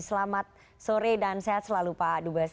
selamat sore dan sehat selalu pak dubes